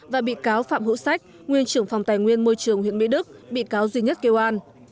và bị cáo phạm hữu sách nguyên trưởng phòng tài nguyên môi trường huyện mỹ đức bị cáo duy nhất kêu an